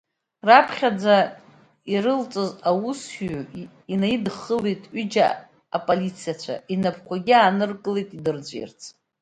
Раԥхьаӡа ирылҵыз аусуҩы инаидххылеит ҩыџьа аполициацәа, инапқәагьы ааныркылеит идырҵәирц.